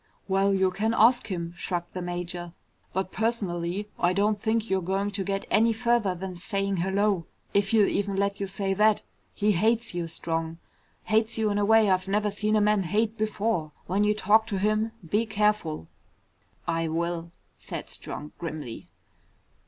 "Well, you can ask him," shrugged the major. "But personally, I don't think you're going to get any further than saying hello. If he'll even let you say that. He hates you, Strong. Hates you in a way I've never seen a man hate before. When you talk to him, be careful." "I will," said Strong grimly.